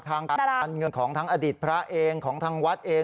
ทางการการเงินของทางอดิษฐ์พระเองของทางวัดเอง